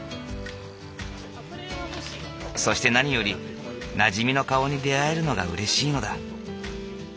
そして何よりなじみの顔に出会えるのがうれしいのだ。